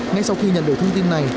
ngay sau khi nhận được thư tin này